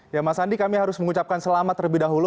ya mas andi kami harus mengucapkan selamat terlebih dahulu